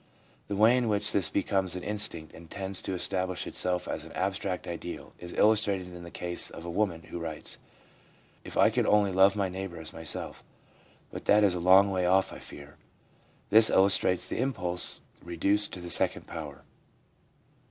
The way in which this be comes an instinct, and tends to establish itself as an abstract ideal, is illustrated in the case of a woman who writes :* If I could only love my neighbour as myself! But that is a long way off, I fear/ This illustrates the impulse reduced to the second power.